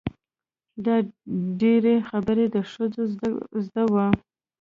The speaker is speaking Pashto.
دا ډېرې خبرې د ښځو زده وي.